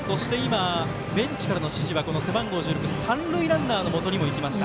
ベンチからの指示は背番号１６、三塁ランナーのもとへも行きました。